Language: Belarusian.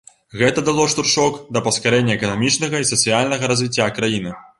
Гэта дало штуршок да паскарэння эканамічнага і сацыяльнага развіцця краіны.